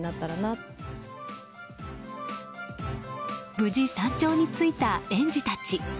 無事、山頂に着いた園児たち。